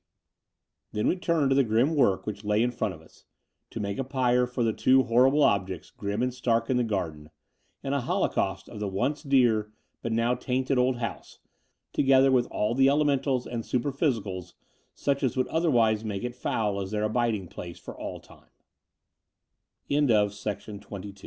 The Dower House 295 Then we turned to the grim work which lay in front of us — ^to make a pyre for the two horrible objects, grim and stark in the garden, and a holo caust of the once dear, but now tainted old house, together with all the elementals and super physicals, such as would otherwise make it foul as their abiding place for